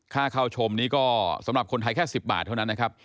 ค่าเข้าชมนี้ก็สำหรับคนไทยแค่๑๐บาทเท่านั้นนะครับ